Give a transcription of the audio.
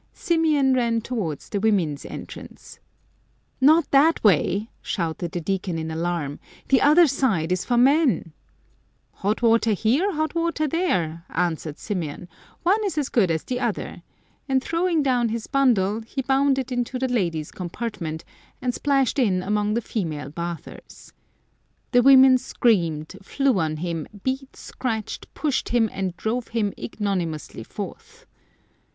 Symeon ran towards s entrance. " Not that way !" shouted the Deacon in alarm ;" the other side is for men," " Hot water here, hot water there," answered Symeon ;" one is as good as the other "; and throwing down his bundle, he bounded into the ladies' compartment, and splashed in amongst the female bathers. The women screamed, flew on him, beat, scratched, pushed him, and drove him ignominiously forth.